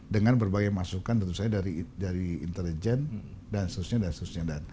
dengan berbagai masukan tentu saja dari intelijen dan seterusnya